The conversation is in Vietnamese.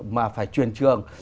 mà phải truyền trường